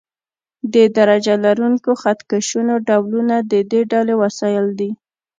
د درجه لرونکو خط کشونو ډولونه د دې ډلې وسایل دي.